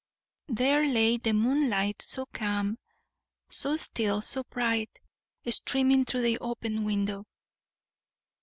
There lay the moonlight, so calm, so still, so bright, streaming through the open window.